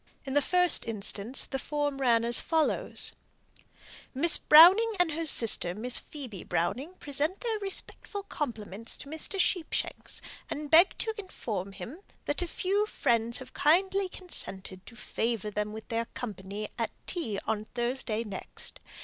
From the first mentioned ladies the form ran as follows: "Miss Browning and her sister, Miss Phoebe Browning, present their respectful compliments to Mr. Sheepshanks, and beg to inform him that a few friends have kindly consented to favour them with their company at tea on Thursday next.